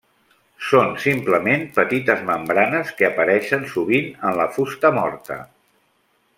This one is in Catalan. Són simplement petites membranes que apareixen sovint en la fusta morta.